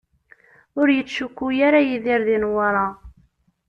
Ur yettcukku ara Yidir di Newwara.